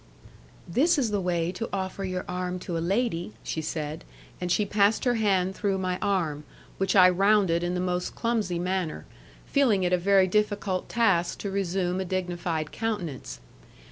"This is the way to offer your arm to a lady," she said, and she passed her hand through my arm, which I rounded in the most clumsy manner, feeling it a very difficult task to resume a dignified countenance.